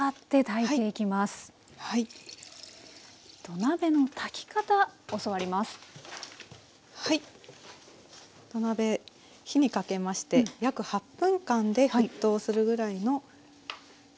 土鍋火にかけまして約８分間で沸騰するぐらいの。